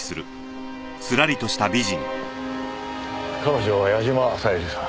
彼女は矢嶋小百合さん。